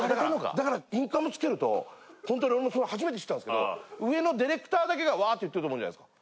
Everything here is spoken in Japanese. だからインカムつけるとほんとに俺もそれ初めて知ったんですけど上のディレクターだけがわぁって言ってると思うじゃないですか。